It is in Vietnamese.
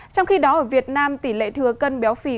trong khi đó ở việt nam tỷ lệ thừa cân béo phì